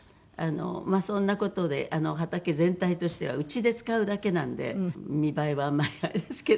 そんな事で畑全体としてはうちで使うだけなんで見栄えはあんまりあれですけど。